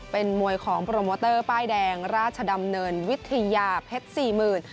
เป็นมวยของโปรโมเตอร์ป้ายแดงราชดำเนินวิทยาเพชรสี่หมื่น